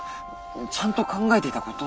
ちゃんと考えていたことだ。